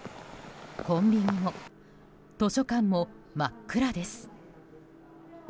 コンビニも図書館も真っ暗です。